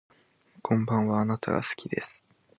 こんばんはあなたが好きです